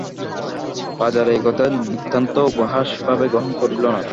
প্রজারা এ কথা নিতান্ত উপহাস ভাবে গ্রহণ করিল না।